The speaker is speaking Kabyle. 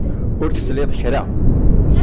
Ur telsiḍ kra.